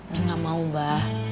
neng gak mau abah